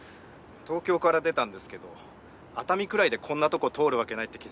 東京から出たんですけど熱海くらいでこんなとこ通るわけないって気付いて。